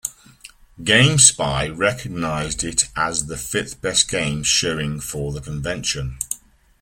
GameSpy recognized it as the fifth best game showing for the convention.